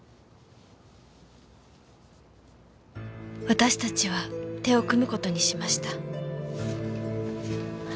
私たちは手を組む事にしました。